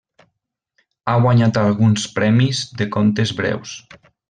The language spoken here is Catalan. Ha guanyat alguns premis de contes breus.